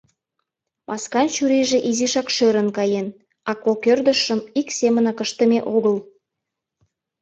Маскан чурийже изишак шӧрын каен, а кок ӧрдыжшым ик семынак ыштыме огыл.